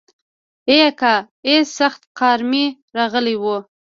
ای اکا ای سخت قار مې راغلی و.